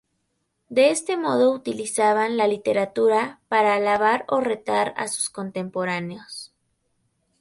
De este modo, utilizaban la literatura para alabar o retar a sus contemporáneos.